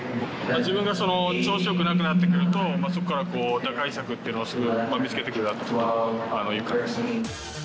自分が調子よくなくなってくると、そこから打開策っていうのをすごい見つけてくるなという感じ。